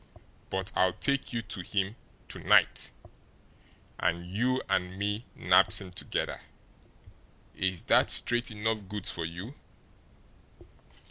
BUT I'LL TAKE YOU TO HIM TO NIGHT and you and me nabs him together. Is that straight enough goods for you?"